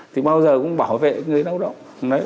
thì bao giờ cũng bảo vệ người lao động